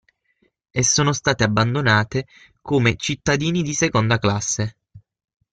E sono state abbandonate come "cittadini di seconda classe".